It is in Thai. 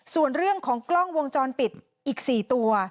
ส่วนเรื่องของกล้องวงจรปิดอีก๔ตัว